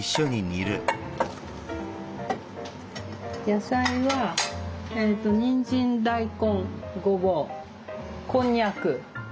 野菜はえっとにんじん大根ごぼうこんにゃく。